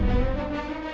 lo sudah nunggu